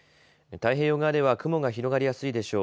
太平洋側では雲が広がりやすいでしょう。